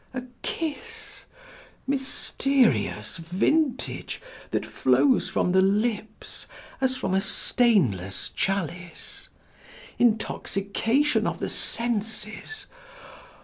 A kiss! mysterious vintage that flows from the lips as from a stainless chalice! Intoxication of the senses!